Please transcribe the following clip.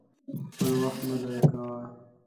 خپل وخت مه ضايع کوه!